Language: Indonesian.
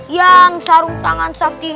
yang sarung tangan saktinya